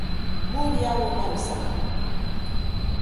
Mmuudiaha unọ usan.